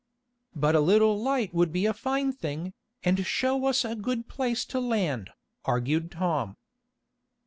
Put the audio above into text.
"But a little light would be a fine thing, and show us a good place to land," argued Tom.